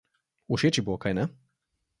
Všeč ji bo, kajne?